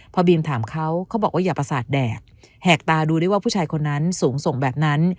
พอบีมถามเขาเขาบอกว่าอย่าประสาทแดดแหกตาดูได้ว่าผู้ชายคนนั้นสูงส่งแบบนั้น